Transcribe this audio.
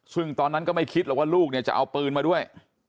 ซึ่งตอนนั้นก็ไม่คิดหรอกว่าลูกเนี่ยจะเอาปืนมาด้วย